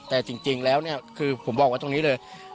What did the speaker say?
แต่จริงแล้วผมบอกว่าตรงนี้เลย